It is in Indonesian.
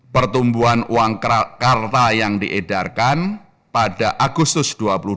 pertumbuhan uang karta yang diedarkan pada agustus dua ribu dua puluh